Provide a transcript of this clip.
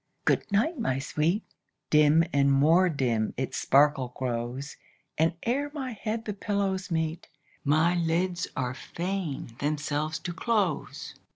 good night, my sweet! Dim and more dim its sparkle grows, And ere my head the pillows meet, My lids are fain themselves to close.